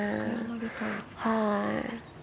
はい。